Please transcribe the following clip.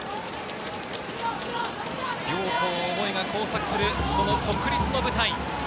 両校の思いが交錯するこの国立の舞台。